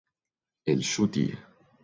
elŝuti